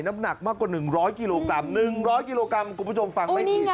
น้ำหนักมากกว่า๑๐๐กิโลกรัม